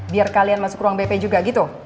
biar kalian masuk ruang bp juga gitu